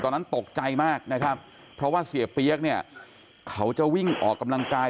ตอนนั้นตกใจมากนะครับเพราะว่าเสียเปี๊ยกเนี่ยเขาจะวิ่งออกกำลังกาย